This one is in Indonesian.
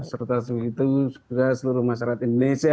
serta segitu juga seluruh masyarakat indonesia